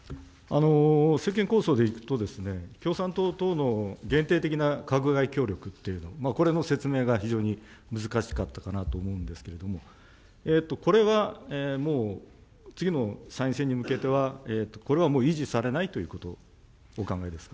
政権構想でいくと、共産党との限定的な閣外協力っていう、これの説明が非常に難しかったかなと思うんですけれども、これはもう次の参院選に向けては、これはもう維持されないということをお考えですか。